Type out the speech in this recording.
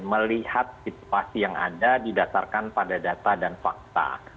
melihat situasi yang ada didasarkan pada data dan fakta